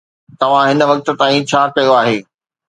توهان هن وقت تائين ڇا ڪيو آهي؟